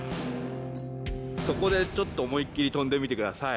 そこでちょっと思いっきり跳んでみてください。